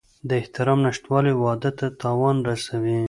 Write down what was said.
د احترام نشتوالی واده ته تاوان رسوي.